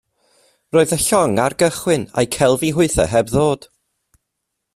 Yr oedd y llong ar gychwyn, a'u celfi hwythau heb ddod.